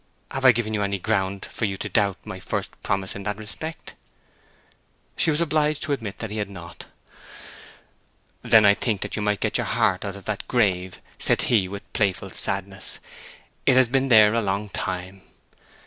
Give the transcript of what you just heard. Have I given any ground for you to doubt my first promise in that respect?" She was obliged to admit that he had not. "Then I think that you might get your heart out of that grave," said he, with playful sadness. "It has been there a long time."